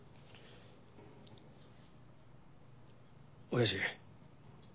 親父。